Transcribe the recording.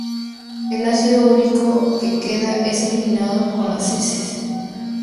El ácido úrico que queda es eliminado con las heces.